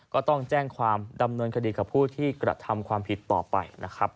ก็ต้องแจ้งความดำเนินคดีกับผู้ที่กระทำความผิดต่อไปนะครับ